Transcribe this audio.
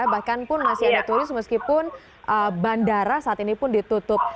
bahkan pun masih ada turis meskipun bandara saat ini pun ditutup